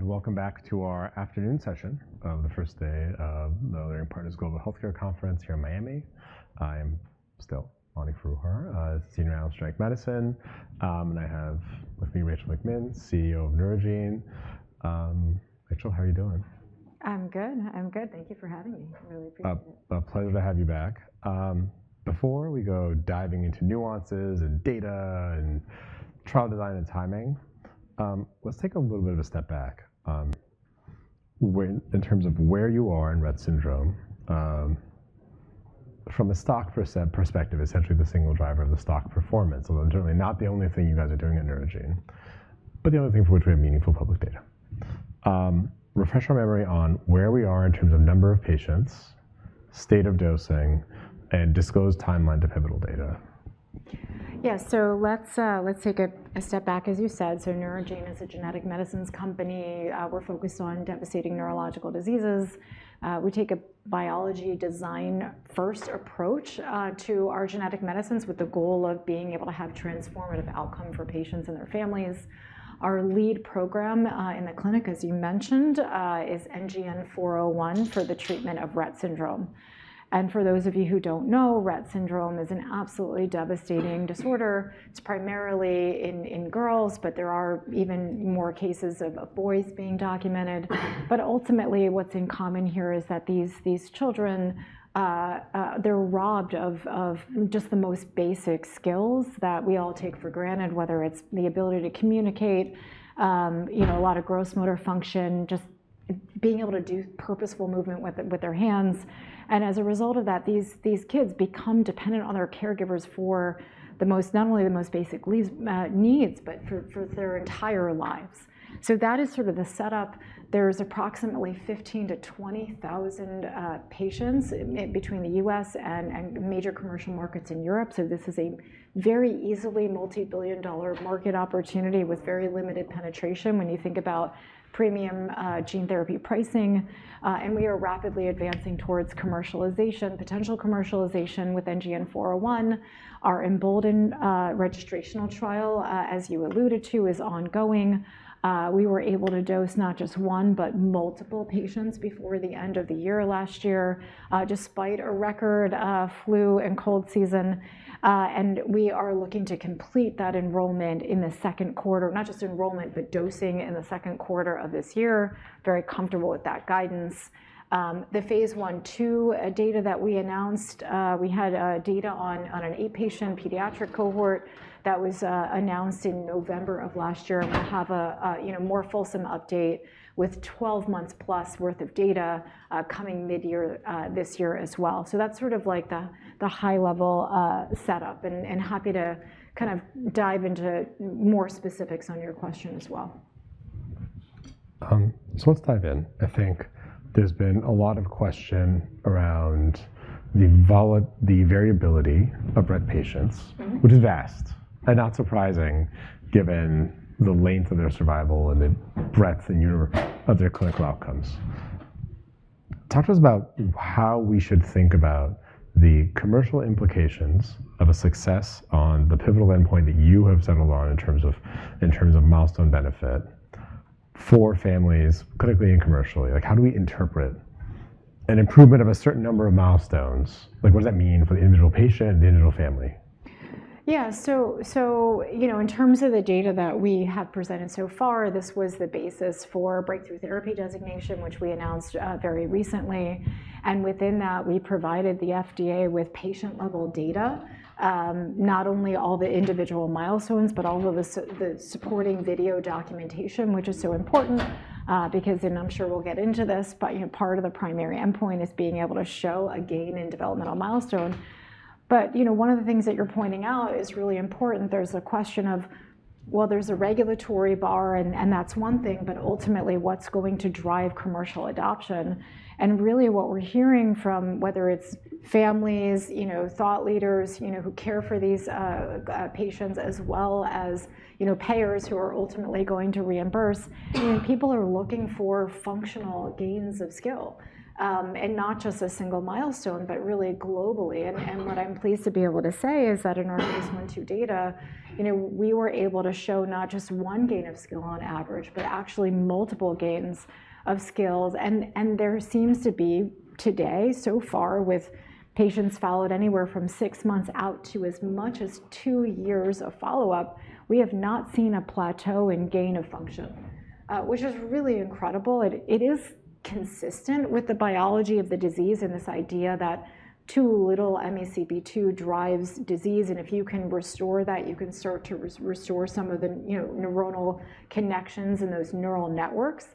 Welcome back to our afternoon session of the first day of the Leerink Partners Global Healthcare Conference here in Miami. I'm still Marc Frahm, Senior Analyst at TD Cowen, and I have with me Rachel McMinn, CEO of Neurogene. Rachel, how are you doing? I'm good. I'm good. Thank you for having me. Really appreciate it. A pleasure to have you back. Before we go diving into nuances and data and trial design and timing, let's take a little bit of a step back in terms of where you are in Rett syndrome. From a stock perspective, essentially the single driver of the stock performance, although generally not the only thing you guys are doing at Neurogene, but the only thing for which we have meaningful public data. Refresh our memory on where we are in terms of number of patients, state of dosing, and disclosed timeline to pivotal data. Yeah. Let's take a step back, as you said. Neurogene is a genetic medicines company. We're focused on devastating neurological diseases. We take a biology design-first approach to our genetic medicines with the goal of being able to have transformative outcome for patients and their families. Our lead program in the clinic, as you mentioned, is NGN-401 for the treatment of Rett syndrome. For those of you who don't know, Rett syndrome is an absolutely devastating disorder. It's primarily in girls, there are even more cases of boys being documented. What's in common here is that these children, they're robbed of just the most basic skills that we all take for granted, whether it's the ability to communicate, you know, a lot of gross motor function, just being able to do purposeful movement with their hands. As a result of that, these kids become dependent on their caregivers for not only the most basic needs, but for their entire lives. That is sort of the setup. There's approximately 15,000-20,000 patients in between the U.S. and major commercial markets in Europe, so this is a very easily multi-billion dollar market opportunity with very limited penetration when you think about premium gene therapy pricing. We are rapidly advancing towards commercialization, potential commercialization with NGN-401. Our Embolden registrational trial, as you alluded to, is ongoing. We were able to dose not just one, but multiple patients before the end of the year last year, despite a record flu and cold season. We are looking to complete that enrollment in the second quarter, not just enrollment, but dosing in the second quarter of this year. Very comfortable with that guidance. The phase I, II data that we announced, we had data on an eight-patient pediatric cohort that was announced in November of last year, and we'll have a, you know, more fulsome update with 12 months+ worth of data coming midyear this year as well. that's sort of like the high level, setup, and happy to kind of dive into more specifics on your question as well. Let's dive in. I think there's been a lot of question around the variability of Rett patients. Mm-hmm. which is vast and not surprising given the length of their survival and the breadth and universe of their clinical outcomes. Talk to us about how we should think about the commercial implications of a success on the pivotal endpoint that you have settled on in terms of, in terms of milestone benefit for families, clinically and commercially. Like, how do we interpret an improvement of a certain number of milestones? Like, what does that mean for the individual patient and the individual family? Yeah. You know, in terms of the data that we have presented so far, this was the basis for Breakthrough Therapy designation, which we announced very recently. Within that, we provided the FDA with patient-level data, not only all the individual milestones, but all of the the supporting video documentation, which is so important, because, and I'm sure we'll get into this, but, you know, part of the primary endpoint is being able to show a gain in developmental milestone. You know, one of the things that you're pointing out is really important. There's a question of, well, there's a regulatory bar and that's one thing, but ultimately, what's going to drive commercial adoption? Really what we're hearing from, whether it's families, you know, thought leaders, you know, who care for these patients as well as, you know, payers who are ultimately going to reimburse, people are looking for functional gains of skill. Not just a single milestone, but really globally. What I'm pleased to be able to say is that in our phase I, II data, you know, we were able to show not just one gain of skill on average, but actually multiple gains of skills. There seems to be today, so far, with patients followed anywhere from six months out to as much as two years of follow-up, we have not seen a plateau in gain of function, which is really incredible. It is consistent with the biology of the disease and this idea that too little MECP2 drives disease, and if you can restore that, you can start to restore some of the, you know, neuronal connections in those neural networks.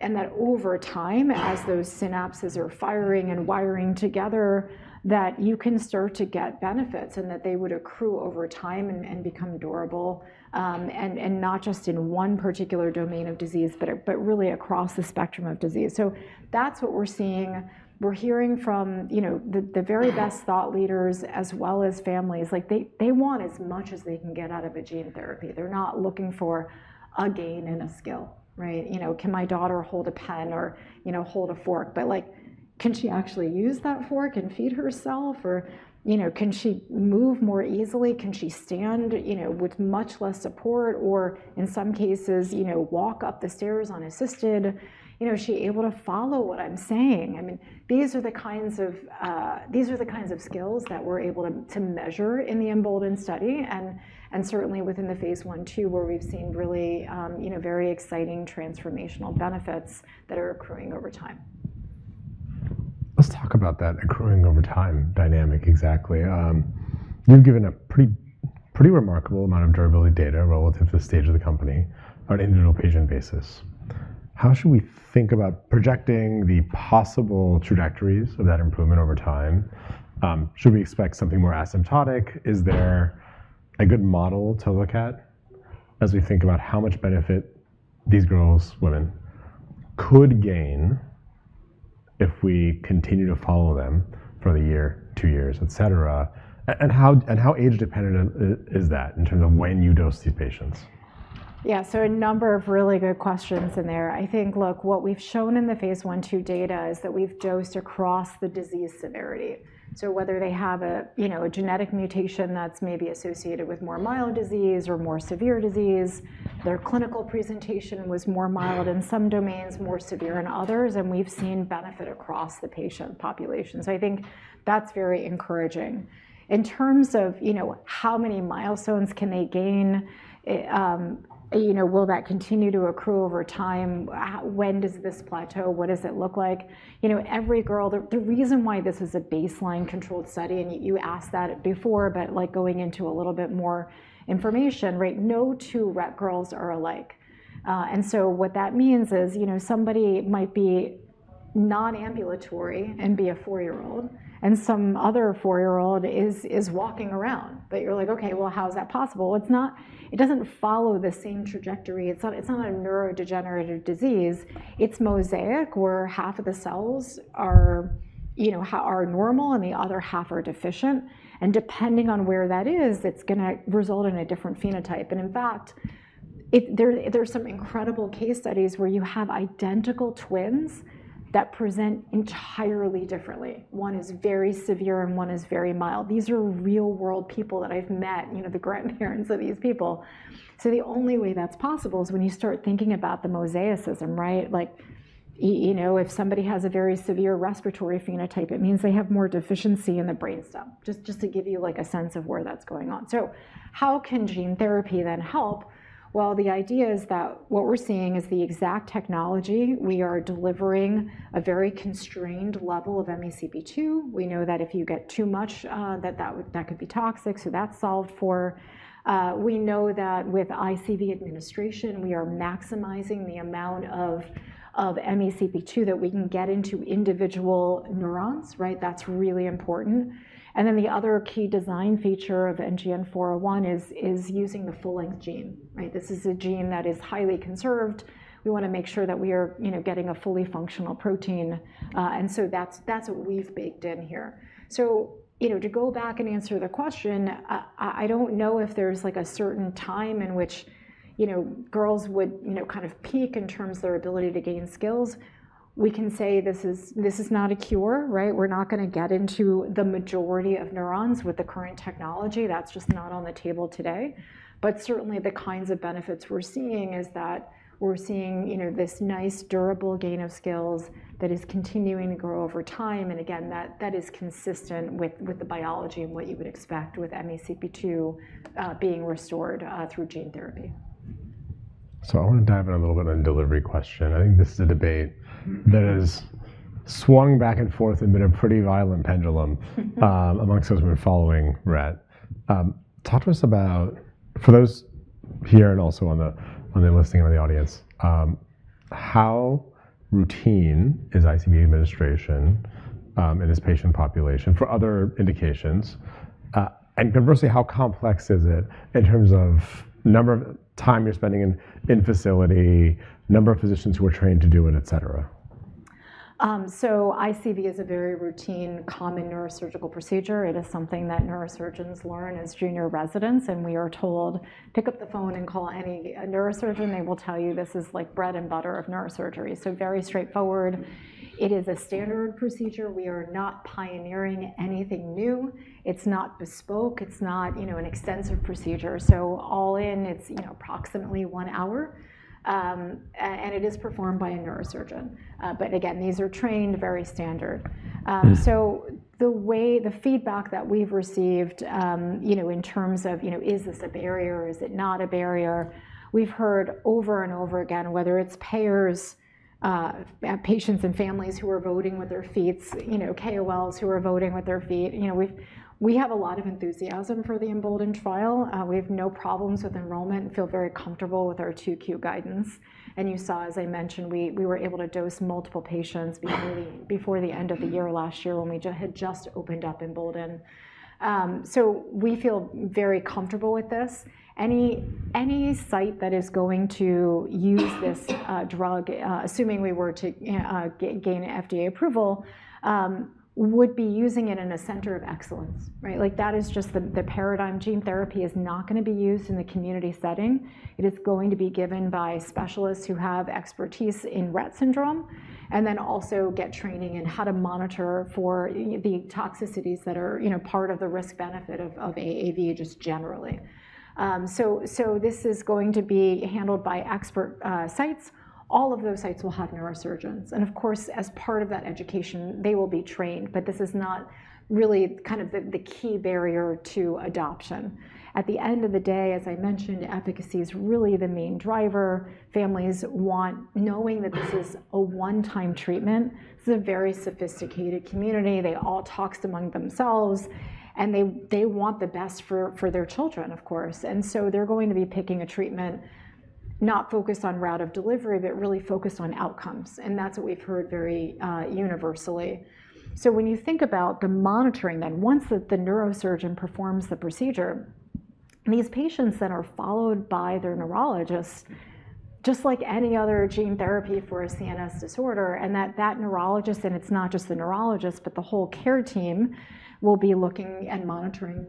That over time, as those synapses are firing and wiring together, that you can start to get benefits, and that they would accrue over time and become durable. And not just in one particular domain of disease, but really across the spectrum of disease. That's what we're seeing. We're hearing from, you know, the very best thought leaders as well as families. Like, they want as much as they can get out of a gene therapy. They're not looking for a gain in a skill, right? You know, can my daughter hold a pen or, you know, hold a fork? Like, can she actually use that fork and feed herself? You know, can she move more easily? Can she stand, you know, with much less support? In some cases, you know, walk up the stairs unassisted? You know, is she able to follow what I'm saying? I mean, these are the kinds of-These are the kinds of skills that we're able to measure in the Embolden study and certainly within the phase 1/2 where we've seen really, you know, very exciting transformational benefits that are accruing over time. Let's talk about that accruing over time dynamic exactly. You've given a pretty remarkable amount of durability data relative to the stage of the company on an individual patient basis. How should we think about projecting the possible trajectories of that improvement over time? Should we expect something more asymptotic? Is there a good model to look at as we think about how much benefit these girls, women could gain if we continue to follow them for the one year, two years, et cetera? How age-dependent is that in terms of when you dose these patients? A number of really good questions in there. I think, look, what we've shown in the phase 1/2 data is that we've dosed across the disease severity. Whether they have a, you know, a genetic mutation that's maybe associated with more mild disease or more severe disease, their clinical presentation was more mild in some domains, more severe in others, and we've seen benefit across the patient population. I think that's very encouraging. In terms of, you know, how many milestones can they gain, you know, will that continue to accrue over time? When does this plateau? What does it look like? You know, every girl. The reason why this is a baseline controlled study, and you asked that before, but, like, going into a little bit more information, right? No two Rett girls are alike. What that means is, you know, somebody might be non-ambulatory and be a four-year-old, and some other four-year-old is walking around. You're like, "Okay, well, how is that possible?" It doesn't follow the same trajectory. It's not a neurodegenerative disease. It's mosaic, where half of the cells are, you know, are normal and the other half are deficient, and depending on where that is, it's gonna result in a different phenotype. In fact, There's some incredible case studies where you have identical twins that present entirely differently. One is very severe, and one is very mild. These are real-world people that I've met, you know, the grandparents of these people. The only way that's possible is when you start thinking about the mosaicism, right? You know, if somebody has a very severe respiratory phenotype, it means they have more deficiency in the brainstem, just to give you like a sense of where that's going on. How can gene therapy then help? Well, the idea is that what we're seeing is the exact technology. We are delivering a very constrained level of MECP2. We know that if you get too much, that could be toxic, that's solved for. We know that with ICV administration, we are maximizing the amount of MECP2 that we can get into individual neurons, right? That's really important. The other key design feature of NGN-401 is using the full-length gene, right? This is a gene that is highly conserved. We wanna make sure that we are, you know, getting a fully functional protein, and so that's what we've baked in here. You know, to go back and answer the question, I don't know if there's like a certain time in which, you know, girls would, you know, kind of peak in terms of their ability to gain skills. We can say this is not a cure, right? We're not gonna get into the majority of neurons with the current technology. That's just not on the table today. Certainly, the kinds of benefits we're seeing is that we're seeing, you know, this nice durable gain of skills that is continuing to grow over time, and again, that is consistent with the biology and what you would expect with MECP2 being restored through gene therapy. I wanna dive in a little bit on delivery question. I think this is a debate that has swung back and forth and been a pretty violent pendulum amongst those who are following Rett. Talk to us about, for those here and also on the, on the listening or the audience, how routine is ICV administration in this patient population for other indications? Conversely, how complex is it in terms of number of time you're spending in facility, number of physicians who are trained to do it, et cetera? ICV is a very routine common neurosurgical procedure. It is something that neurosurgeons learn as junior residents, and we are told, "Pick up the phone and call any neurosurgeon." They will tell you this is like bread and butter of neurosurgery. Very straightforward. It is a standard procedure. We are not pioneering anything new. It's not bespoke. It's not, you know, an extensive procedure. All in, it's, you know, approximately one hour. It is performed by a neurosurgeon. Again, these are trained very standard. The feedback that we've received, you know, in terms of, you know, is this a barrier, is it not a barrier? We've heard over and over again, whether it's payers, patients and families who are voting with their feet, you know, KOLs who are voting with their feet. You know, We have a lot of enthusiasm for the Embolden trial. We have no problems with enrollment and feel very comfortable with our 2Q guidance. You saw, as I mentioned, we were able to dose multiple patients before the end of the year last year when we had just opened up Embolden. So we feel very comfortable with this. Any site that is going to use this drug, assuming we were to gain FDA approval, would be using it in a center of excellence, right? Like, that is just the paradigm. Gene therapy is not gonna be used in the community setting. It is going to be given by specialists who have expertise in Rett syndrome and then also get training in how to monitor for the toxicities that are, you know, part of the risk-benefit of AAV just generally. So this is going to be handled by expert sites. All of those sites will have neurosurgeons, and of course, as part of that education, they will be trained. This is not really kind of the key barrier to adoption. At the end of the day, as I mentioned, efficacy is really the main driver. Families want knowing that this is a one-time treatment. This is a very sophisticated community. They all talks among themselves, and they want the best for their children, of course. They're going to be picking a treatment. Not focus on route of delivery, but really focus on outcomes. That's what we've heard very universally. When you think about the monitoring then, once the neurosurgeon performs the procedure, these patients then are followed by their neurologist just like any other gene therapy for a CNS disorder, and that neurologist, and it's not just the neurologist, but the whole care team, will be looking and monitoring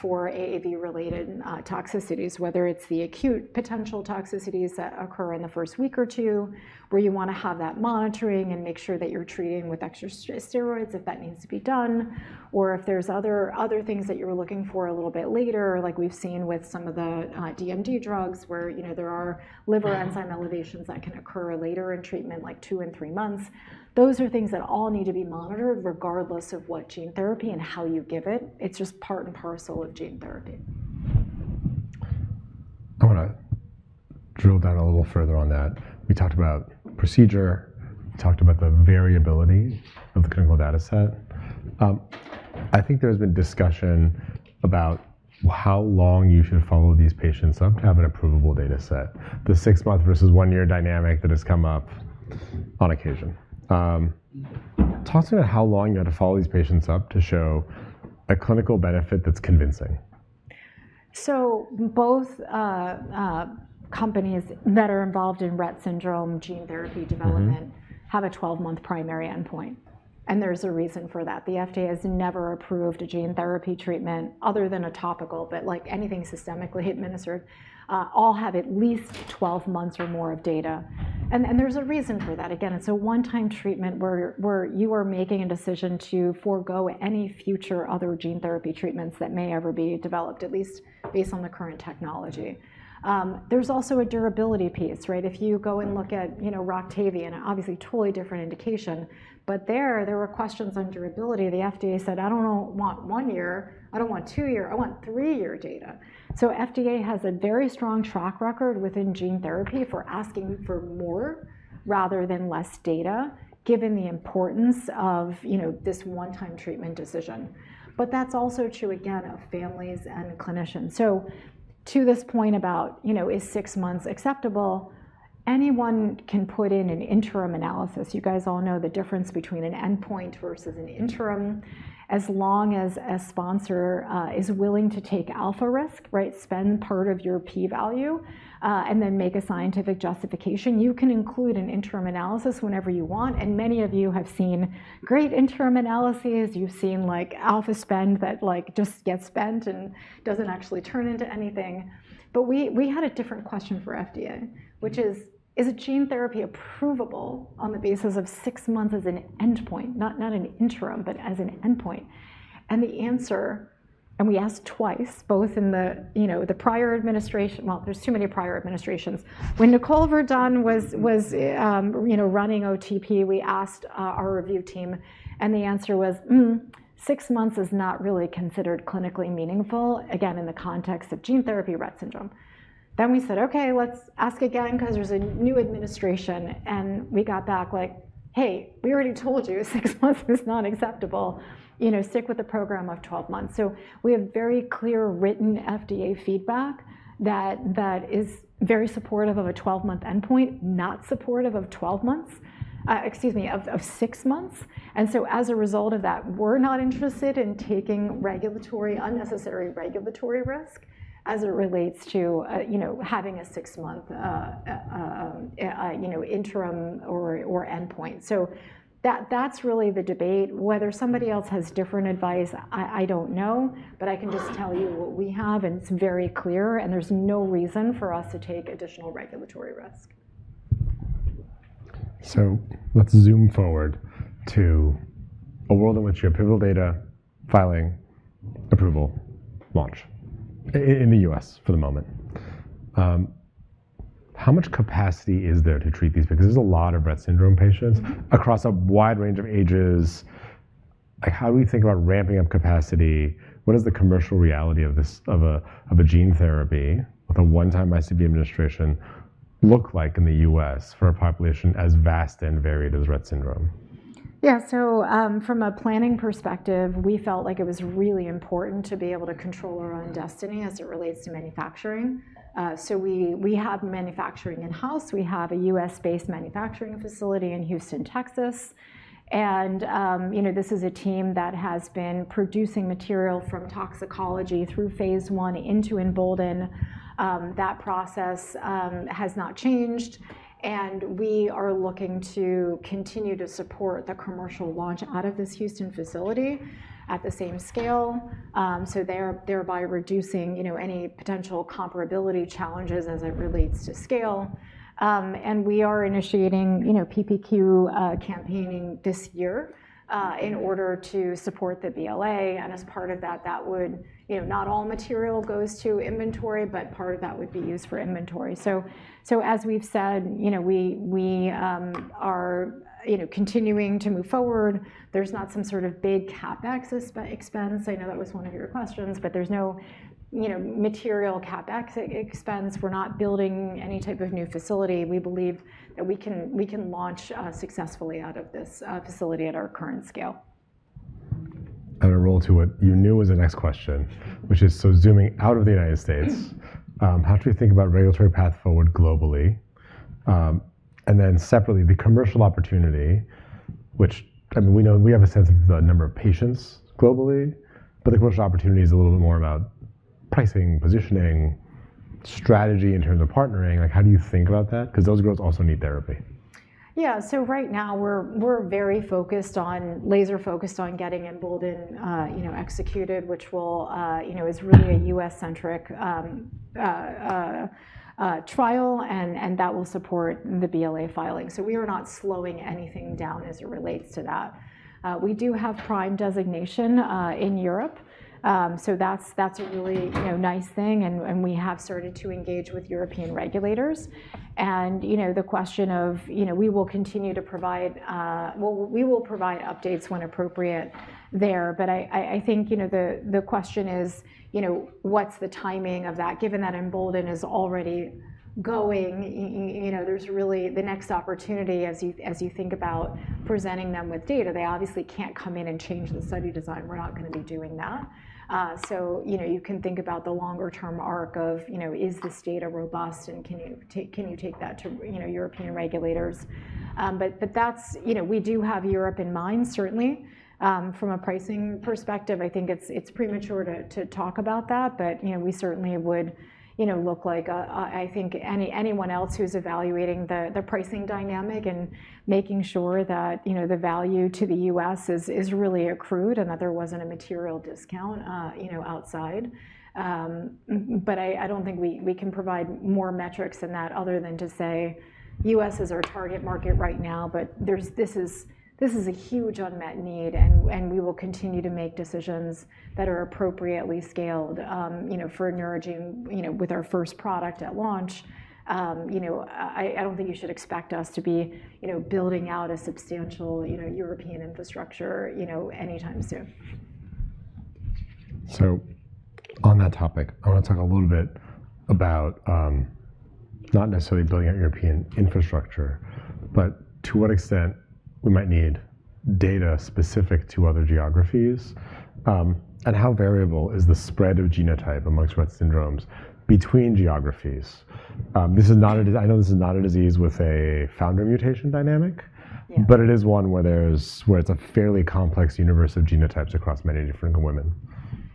for AAV-related toxicities, whether it's the acute potential toxicities that occur in the first week or two where you wanna have that monitoring and make sure that you're treating with extra steroids if that needs to be done, or if there's other things that you're looking for a little bit later, like we've seen with some of the DMD drugs where, you know, there are liver enzyme elevations that can occur later in treatment, like two and three months. Those are things that all need to be monitored regardless of what gene therapy and how you give it. It's just part and parcel of gene therapy. I wanna drill down a little further on that. We talked about procedure. We talked about the variability of the clinical data set. I think there's been discussion about how long you should follow these patients up to have an approvable data set, the six-month versus one-year dynamic that has come up on occasion. Talk to me about how long you have to follow these patients up to show a clinical benefit that's convincing. Both companies that are involved in Rett syndrome gene therapy development have a 12-month primary endpoint. There's a reason for that. The FDA has never approved a gene therapy treatment other than a topical, but like anything systemically administered, all have at least 12 months or more of data. There's a reason for that. Again, it's a one-time treatment where you are making a decision to forego any future other gene therapy treatments that may ever be developed, at least based on the current technology. There's also a durability piece, right? If you go and look at, you know, Roctavian, obviously totally different indication, but there were questions on durability. The FDA said, "I don't want one year, I don't want two year, I want three-year data." FDA has a very strong track record within gene therapy for asking for more rather than less data, given the importance of, you know, this one-time treatment decision. That's also true, again, of families and clinicians. To this point about, you know, is six months acceptable? Anyone can put in an interim analysis. You guys all know the difference between an endpoint versus an interim. As long as a sponsor is willing to take alpha risk, right, spend part of your P value, and then make a scientific justification, you can include an interim analysis whenever you want. Many of you have seen great interim analyses. You've seen like alpha spending that like just gets spent and doesn't actually turn into anything. We had a different question for FDA, which is: Is a gene therapy approvable on the basis of six months as an endpoint? Not an interim, but as an endpoint. The answer, we asked twice, both in the, you know, the prior administration. Well, there's too many prior administrations. When Nicole Verdun was, you know, running OTP, we asked our review team, and the answer was, "Mm, six months is not really considered clinically meaningful," again, in the context of gene therapy Rett syndrome. We said, "Okay, let's ask again because there's a new administration." We got back like, "Hey, we already told you six months is not acceptable. You know, stick with the program of 12 months. We have very clear written FDA feedback that is very supportive of a 12-month endpoint, not supportive of 12 months, excuse me, of six months. As a result of that, we're not interested in taking unnecessary regulatory risk as it relates to, you know, having a six-month, you know, interim or endpoint. That's really the debate. Whether somebody else has different advice, I don't know. I can just tell you what we have, and it's very clear, and there's no reason for us to take additional regulatory risk. Let's zoom forward to a world in which you have pivotal data, filing, approval, launch in the U.S. for the moment. How much capacity is there to treat these? There's a lot of Rett syndrome patients across a wide range of ages. How do we think about ramping up capacity? What is the commercial reality of this, of a gene therapy with a one-time ICV administration look like in the U.S. for a population as vast and varied as Rett syndrome? Yeah. From a planning perspective, we felt like it was really important to be able to control our own destiny as it relates to manufacturing. We have manufacturing in-house. We have a U.S.-based manufacturing facility in Houston, Texas. You know, this is a team that has been producing material from toxicology through phase I into Embolden. That process has not changed, and we are looking to continue to support the commercial launch out of this Houston facility at the same scale, thereby reducing, you know, any potential comparability challenges as it relates to scale. And we are initiating, you know, PPQ campaigning this year in order to support the BLA. You know, not all material goes to inventory, but part of that would be used for inventory. As we've said, you know, we are, you know, continuing to move forward. There's not some sort of big CapEx expense. I know that was one of your questions, there's no, you know, material CapEx expense. We're not building any type of new facility. We believe that we can launch successfully out of this facility at our current scale. I'm gonna roll to what you knew was the next question which is so zooming out of the United States, how do we think about regulatory path forward globally? Separately, the commercial opportunity which, I mean, we have a sense of the number of patients globally, but the commercial opportunity is a little bit more about pricing, positioning, strategy in terms of partnering. Like, how do you think about that? 'Cause those girls also need therapy. Yeah. Right now we're very focused on laser-focused on getting Embolden, you know, executed, which will, you know, is really a U.S.-centric trial and that will support the BLA filing. We are not slowing anything down as it relates to that. We do have PRIME designation in Europe, so that's a really, you know, nice thing and we have started to engage with European regulators. The question of, you know, we will provide updates when appropriate there. I, I think, you know, the question is, you know, what's the timing of that given that Embolden is already going. You know, there's really the next opportunity as you, as you think about presenting them with data, they obviously can't come in and change the study design. We're not gonna be doing that. You know, you can think about the longer term arc of, you know, is this data robust, and can you take that to, you know, European regulators? That's. You know, we do have Europe in mind certainly. From a pricing perspective, I think it's premature to talk about that. You know, we certainly would, you know, look like anyone else who's evaluating the pricing dynamic and making sure that, you know, the value to the U.S. is really accrued and that there wasn't a material discount, you know, outside. I don't think we can provide more metrics than that other than to say U.S. is our target market right now. This is a huge unmet need and we will continue to make decisions that are appropriately scaled, you know, for an emerging, you know, with our first product at launch. You know, I don't think you should expect us to be, you know, building out a substantial, you know, European infrastructure, you know, anytime soon. On that topic, I wanna talk a little bit about not necessarily building out European infrastructure, but to what extent we might need data specific to other geographies, and how variable is the spread of genotype amongst Rett syndromes between geographies. I know this is not a disease with a founder mutation. Yeah. it is one where it's a fairly complex universe of genotypes across many different women.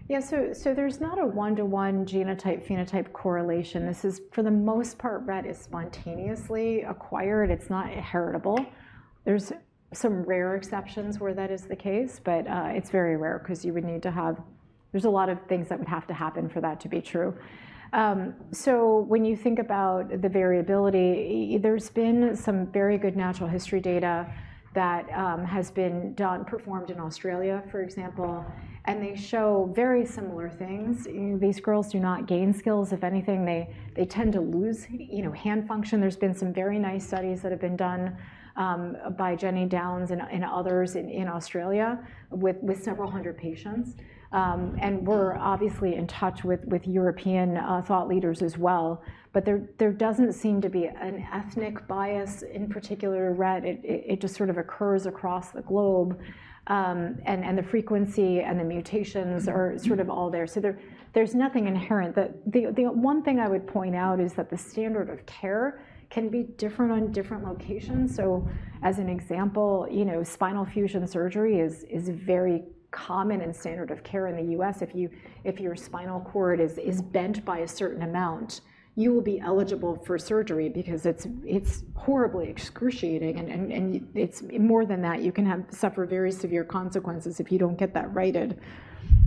Yeah. There's not a one-to-one genotype/phenotype correlation. For the most part, Rett is spontaneously acquired. It's not inheritable. There's some rare exceptions where that is the case, but it's very rare 'cause there's a lot of things that would have to happen for that to be true. When you think about the variability, there's been some very good natural history data that has been done, performed in Australia, for example, and they show very similar things. You know, these girls do not gain skills. If anything, they tend to lose, you know, hand function. There's been some very nice studies that have been done by Jenny Downs and others in Australia with several 100 patients. We're obviously in touch with European thought leaders as well, but there doesn't seem to be an ethnic bias in particular Rett. It just sort of occurs across the globe. The frequency and the mutations are sort of all there. There's nothing inherent. The one thing I would point out is that the standard of care can be different on different locations. As an example, you know, spinal fusion surgery is very common in standard of care in the U.S. If your spinal cord is bent by a certain amount, you will be eligible for surgery because it's horribly excruciating and it's more than that. You can suffer very severe consequences if you don't get that righted.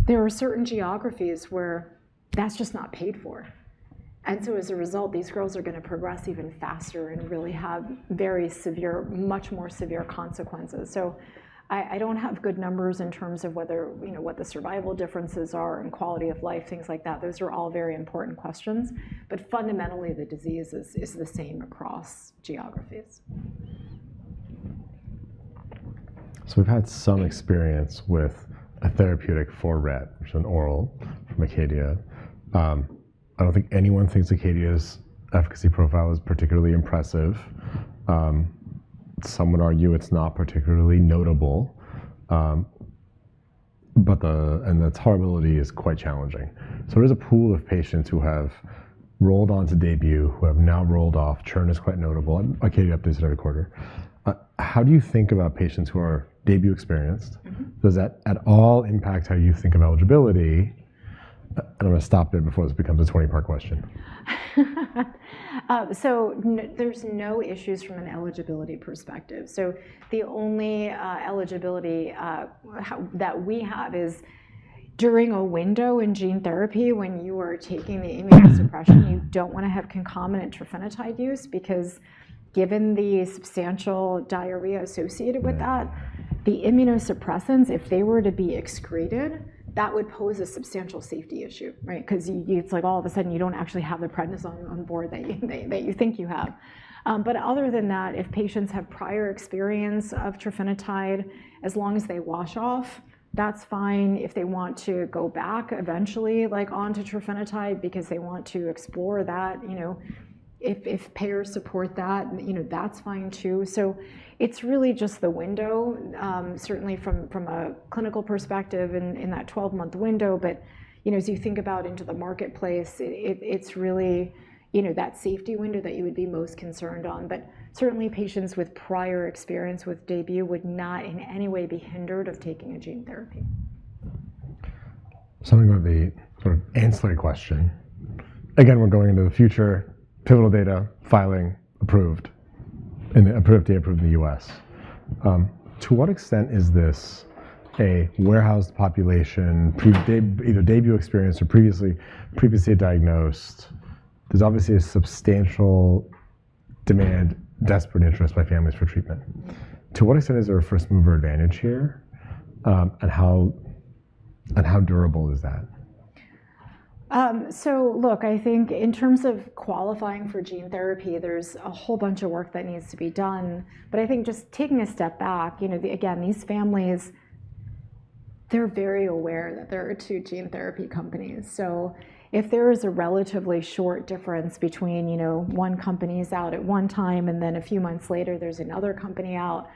There are certain geographies where that's just not paid for. As a result, these girls are gonna progress even faster and really have much more severe consequences. I don't have good numbers in terms of whether, you know, what the survival differences are and quality of life, things like that. Those are all very important questions. Fundamentally, the disease is the same across geographies. We've had some experience with a therapeutic for Rett, which is an oral from Acadia. I don't think anyone thinks Acadia's efficacy profile is particularly impressive. Some would argue it's not particularly notable. The tolerability is quite challenging. There's a pool of patients who have rolled onto DAYBUE, who have now rolled off. Churn is quite notable, and Acadia updates it every quarter. How do you think about patients who are DAYBUE experienced? Mm-hmm. Does that at all impact how you think of eligibility? I'm gonna stop there before this becomes a 20-part question. There's no issues from an eligibility perspective. The only eligibility that we have is during a window in gene therapy when you are taking the immunosuppression, you don't wanna have concomitant trofinetide use because given the substantial diarrhea associated with that. Right. The immunosuppressants, if they were to be excreted, that would pose a substantial safety issue, right? 'Cause it's like all of a sudden you don't actually have the prednisone on board that you think you have. Other than that, if patients have prior experience of trofinetide, as long as they wash off, that's fine. If they want to go back eventually, like, onto trofinetide because they want to explore that, you know, if payers support that, you know, that's fine too. It's really just the window, certainly from a clinical perspective in that 12-month window. You know, as you think about into the marketplace, it's really, you know, that safety window that you would be most concerned on. Certainly patients with prior experience with DAYBUE would not in any way be hindered of taking a gene therapy. Something of a sort of ancillary question. Again, we're going into the future. Pivotal data filing approved and approved data from the U.S. To what extent is this a warehoused population pre DAYBUE experience or previously diagnosed? There's obviously a substantial demand, desperate interest by families for treatment. To what extent is there a first-mover advantage here, and how, and how durable is that? Look, I think in terms of qualifying for gene therapy, there's a whole bunch of work that needs to be done. I think just taking a step back, you know, again, these families, they're very aware that there are two gene therapy companies. If there is a relatively short difference between, you know, one company's out at one time and then a few months later there's another company out,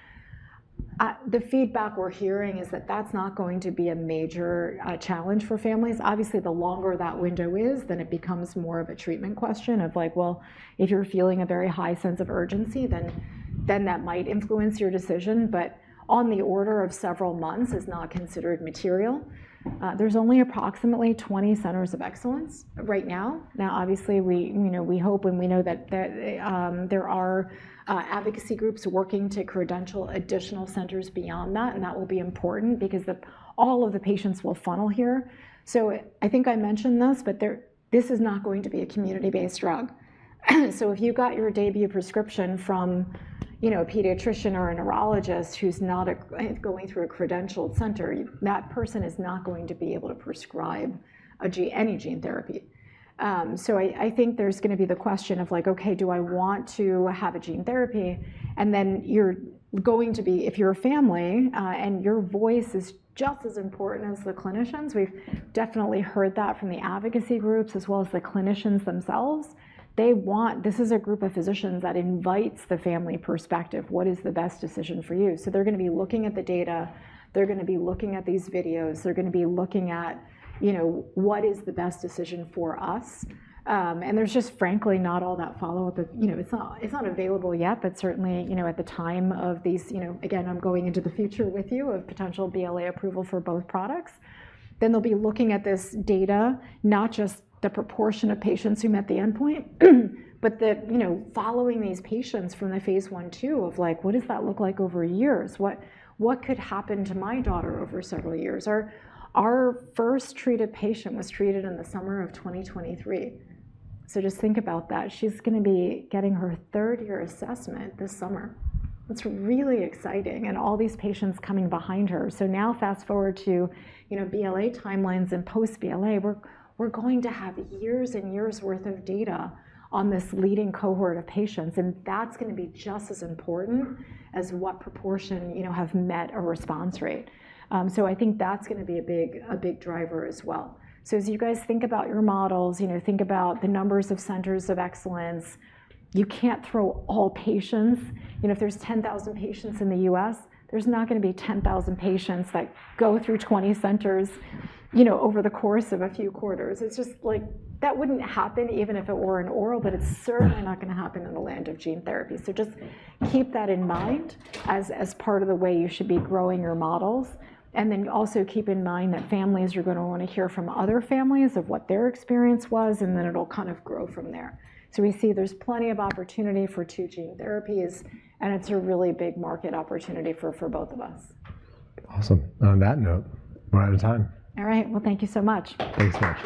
the feedback we're hearing is that that's not going to be a major challenge for families. Obviously, the longer that window is, then it becomes more of a treatment question of like, well, if you're feeling a very high sense of urgency, then that might influence your decision. On the order of several months is not considered material. There's only approximately 20 centers of excellence right now. Obviously, we, you know, we hope and we know that there are advocacy groups working to credential additional centers beyond that, and that will be important because all of the patients will funnel here. I think I mentioned this, but this is not going to be a community-based drug. If you got your DAYBUE prescription from, you know, a pediatrician or a neurologist who's not going through a credentialed center, that person is not going to be able to prescribe any gene therapy. I think there's gonna be the question of like, okay, do I want to have a gene therapy? You're going to be if you're a family, and your voice is just as important as the clinicians. We've definitely heard that from the advocacy groups as well as the clinicians themselves. This is a group of physicians that invites the family perspective. What is the best decision for you? They're gonna be looking at the data. They're gonna be looking at these videos. They're gonna be looking at, you know, what is the best decision for us. And there's just frankly not all that follow-up. You know, it's not, it's not available yet, but certainly, you know, at the time of these, you know, again, I'm going into the future with you of potential BLA approval for both products. They'll be looking at this data, not just the proportion of patients who met the endpoint, but the, you know, following these patients from the phase one, two of like, what does that look like over years? What could happen to my daughter over several years? Our first treated patient was treated in the summer of 2023. Just think about that. She's gonna be getting her third year assessment this summer. It's really exciting and all these patients coming behind her. Now fast-forward to, you know, BLA timelines and post-BLA, we're going to have years and years’ worth of data on this leading cohort of patients, and that's gonna be just as important as what proportion, you know, have met a response rate. I think that's gonna be a big, a big driver as well. As you guys think about your models, you know, think about the numbers of centers of excellence. You can't throw all patients. You know, if there's 10,000 patients in the U.S., there's not gonna be 10,000 patients that go through 20 centers, you know, over the course of a few quarters. It's just like that wouldn't happen even if it were an oral, but it's certainly not gonna happen in the land of gene therapy. Just keep that in mind as part of the way you should be growing your models. Also keep in mind that families are gonna wanna hear from other families of what their experience was, and then it'll kind of grow from there. We see there's plenty of opportunity for two gene therapies, and it's a really big market opportunity for both of us. Awesome. On that note, we're out of time. All right. Well, thank you so much. Thanks, Rachel.